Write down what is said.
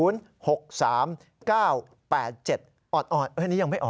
อ่อนอันนี้ยังไม่ออก